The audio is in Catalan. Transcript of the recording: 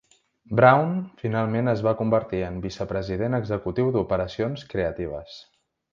Brown finalment es va convertir en vicepresident executiu d'operacions creatives.